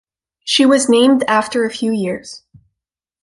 She was named after a few years.